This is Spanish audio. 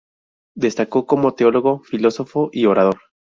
Destacó como teólogo, filósofo y orador.